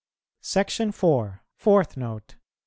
SECTION IV. FOURTH NOTE.